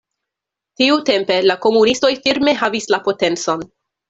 Tiutempe la komunistoj firme havis la potencon.